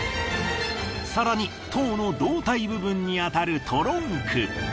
更に塔の胴体部分に当たるトロンク。